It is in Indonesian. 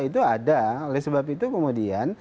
itu ada oleh sebab itu kemudian